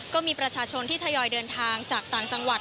ก็มีประชาชนที่ทยอยเดินทางจากต่างจังหวัด